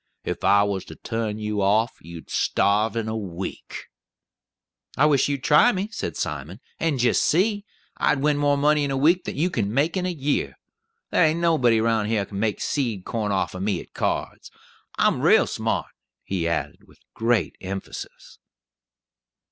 If I was to turn you off, you'd starve in a week." "I wish you'd try me," said Simon, "and jist see. I'd win more money in a week than you can make in a year. There ain't nobody round here kin make seed corn off o' me at cards. I'm rale smart," he added with great emphasis.